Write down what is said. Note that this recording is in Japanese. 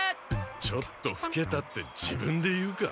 「ちょっとふけた」って自分で言うか？